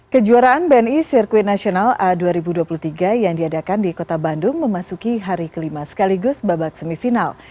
kejuaraan bni sirkuit nasional a dua ribu dua puluh tiga yang diadakan di kota bandung memasuki hari kelima sekaligus babak semifinal